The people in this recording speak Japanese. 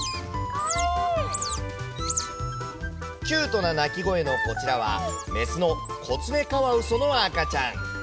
キュートな鳴き声のこちらは、雌のコツメカワウソの赤ちゃん。